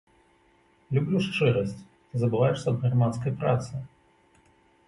Люблю шчырасць, ты забываешся аб грамадскай працы.